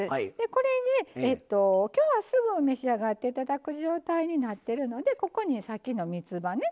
これに今日はすぐ召し上がって頂く状態になってるのでここにさっきのみつばね